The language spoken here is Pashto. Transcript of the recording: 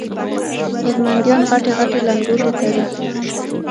هلمنديان غټي غټي لنګوټې تړي